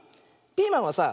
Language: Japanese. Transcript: ピーマンはさ